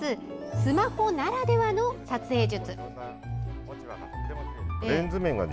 スマホならではの撮影術。